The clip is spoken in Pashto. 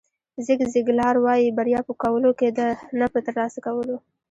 زیګ زیګلار وایي بریا په کولو کې ده نه په ترلاسه کولو.